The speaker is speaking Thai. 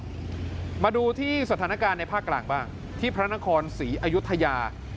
มาดูที่สถานการณ์ในภาคกลางบ้างที่พระนครศรีอยุธยา